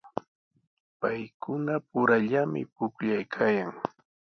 Paykunapurallami pukllaykaayan.